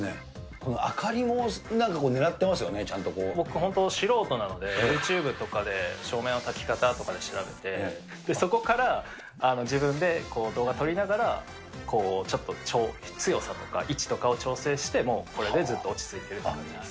この明かりもなんかこう、ねらっ僕、本当、素人なので、ユーチューブとかで照明のたき方とかで調べて、そこから自分で動画撮りながら、ちょっと強さとか、位置とかを調整して、もうこれでずっと落ち着いてます。